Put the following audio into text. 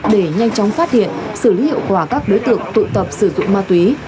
để nhanh chóng phát hiện xử lý hiệu quả các đối tượng tụ tập sử dụng ma túy